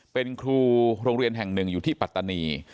เป็นครูโรงเรียนแห่งหนึ่งอยู่ที่ปัตตานี